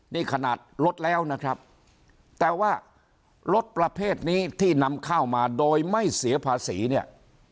นี่ขนาดลดแล้วนะครับแต่ว่ารถประเภทนี้ที่นำเข้ามาโดยไม่เสียภาษีเนี่ย